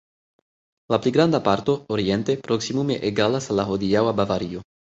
La pli granda parto, oriente, proksimume egalas al la hodiaŭa Bavario.